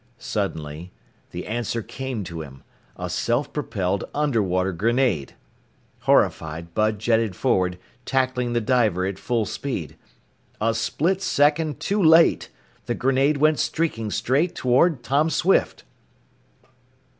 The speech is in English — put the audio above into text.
Suddenly the answer came to him a self propelled underwater grenade! Horrified, Bud jetted forward, tackling the diver at full speed. A split second too late! The grenade went streaking straight toward Tom Swift!